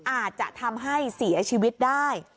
อาจจะทำให้เสียชีวิตได้